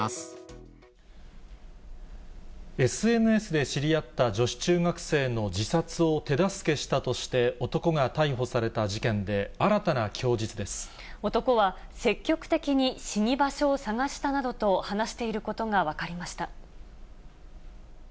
ＳＮＳで知り合った女子中学生の自殺を手助けしたとして、男が逮捕された事件で、新たな供男は、積極的に死に場所を探したなどと話していることが分かりました。